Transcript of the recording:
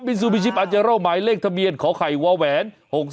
มินซูบิชิปอัจเจร่าหมายเลขทะเมียนขอไขว้แหวน